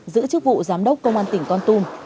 giữ chức vụ giám đốc công an tỉnh con tum